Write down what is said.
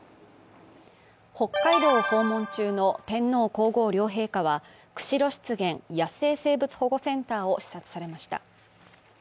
北海道を訪問中の天皇皇后両陛下は、釧路湿原野生生物保護センターを視察されました。